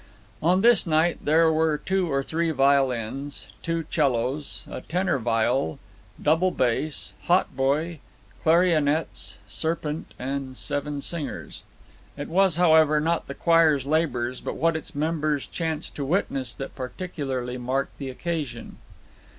On this night there were two or three violins, two 'cellos, a tenor viol, double bass, hautboy, clarionets, serpent, and seven singers. It was, however, not the choir's labours, but what its members chanced to witness, that particularly marked the occasion.